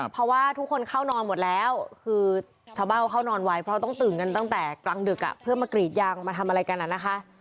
เพราะว่าทุกคนเข้านอนหมดแล้วคือชาวบ้านเขาเข้านอนไว้เพราะต้องตื่นกันตั้งแต่กลางดึกเพื่อมากรีดยางมาทำอะไรกันอ่ะนะคะ